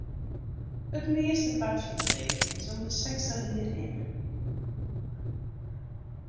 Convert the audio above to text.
It meastepart fan de leden is om de sechstich jier hinne.